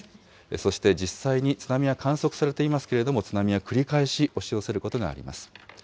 そして実際に津波は観測されていますけれども、津波は繰り返し押し寄せることがあります。